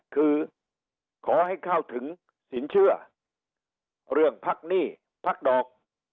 คือขอให้เข้าถึงสินเชื่อเรื่องพักหนี้พักดอก